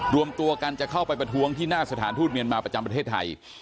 รวมตัวกันจะเข้าไปประท้วงที่หน้าสถานทูตเมียนมาประจำประเทศไทย